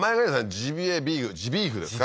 ジビエビーフジビーフですか？